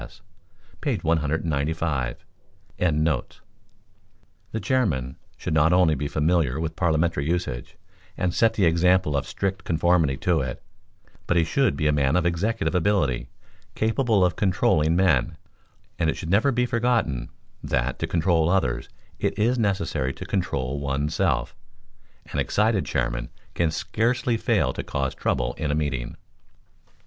S.," page 195.]] The chairman should not only be familiar with parliamentary usage, and set the example of strict conformity to it, but he should be aman of executive ability, capable of controlling men; and it should never be forgotten, that, to control others, it is necessary to control one's self. An excited chairman can scarcely fail to cause trouble in a meeting.